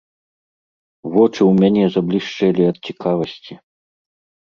Вочы ў мяне заблішчэлі ад цікавасці.